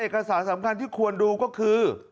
สารสำคัญที่ควรดูก็คือ